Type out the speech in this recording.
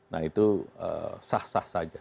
nah itu sah sah saja